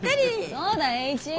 そうだい栄一。